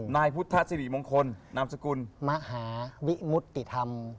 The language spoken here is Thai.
นายพุทธศิริมงคลนามสกุลมหาวิมุติธรรม